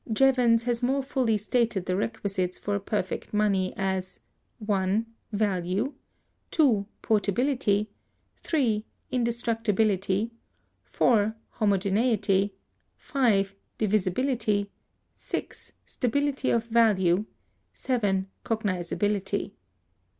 Jevons(226) has more fully stated the requisites for a perfect money as— 1. Value. 2. Portability. 3. Indestructibility. 4. Homogeneity. 5. Divisibility. 6. Stability of value. 7. Cognizability.